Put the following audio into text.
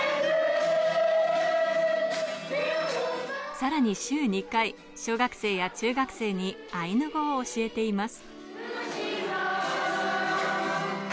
さらに週２回、小学生や中学生にアイヌ語を教えています。